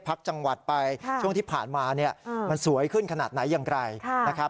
พักจังหวัดไปช่วงที่ผ่านมาเนี่ยมันสวยขึ้นขนาดไหนอย่างไรนะครับ